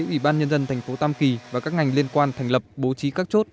ủy ban nhân dân thành phố tam kỳ và các ngành liên quan thành lập bố trí các chốt